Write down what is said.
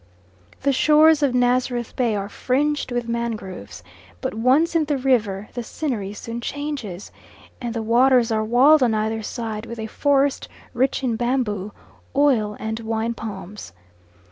The shores of Nazareth Bay are fringed with mangroves, but once in the river the scenery soon changes, and the waters are walled on either side with a forest rich in bamboo, oil and wine palms.